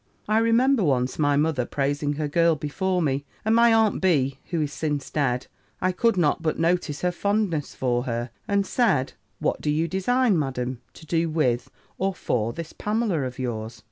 "I remember once, my mother praising her girl before me, and my aunt B. (who is since dead), I could not but notice her fondness for her, and said, 'What do you design, Madam, to do with or for, this Pamela of yours?